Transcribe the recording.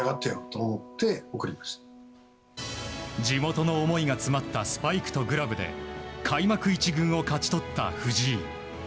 地元の思いが詰まったスパイクとグラブで開幕１軍を勝ち取った藤井。